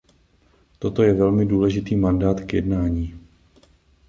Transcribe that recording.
Toto je velmi důležitý mandát k jednání.